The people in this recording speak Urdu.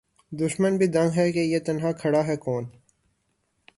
دُشمن بھی دنگ ہے کہ یہ تنہا کھڑا ہے کون